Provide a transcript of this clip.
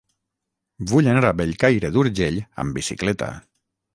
Vull anar a Bellcaire d'Urgell amb bicicleta.